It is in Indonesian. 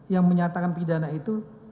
yang menyatakan pidana itu